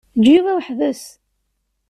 Eǧǧ Yuba weḥd-s.